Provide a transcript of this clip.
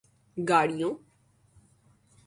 گاڑیوں